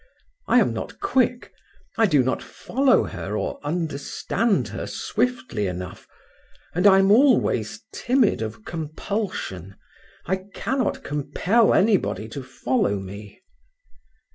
I am not quick. I do not follow her or understand her swiftly enough. And I am always timid of compulsion. I cannot compel anybody to follow me.